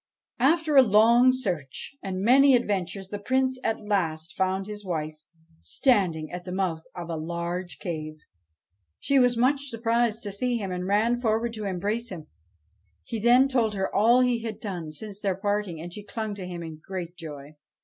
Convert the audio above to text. After a long search and many adventures, the Prince at last found his wife, standing at the mouth of a large cave. She was much surprised to see him, and ran forward to embrace him. He then told her all he had done since their parting, and she clung to him in great joy.